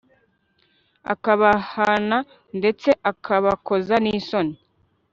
akabahana, ndetse akabakoza n'isoni